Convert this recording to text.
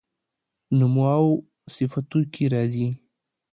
نومواوصفتوکي راځي